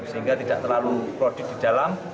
sehingga tidak terlalu produk di dalam